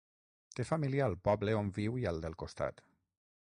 Té família al poble on viu i al del costat.